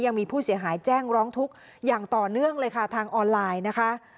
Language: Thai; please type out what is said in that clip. ยังมีผู้เสียหายแจ้งร้องทุกข์อย่างต่อเนื่องเลยค่ะทางออนไลน์นะคะ